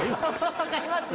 分かりますよ。